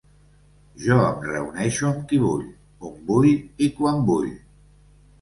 Jo em reuneixo amb qui vull, on vull i quan vull.